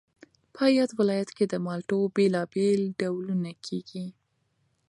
په یاد ولایت کې د مالټو بېلابېل ډولونه کېږي